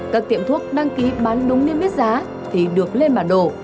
các tiệm thuốc đăng ký bán đúng niêm yết giá thì được lên bản đồ